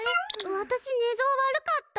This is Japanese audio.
わたし寝相悪かった？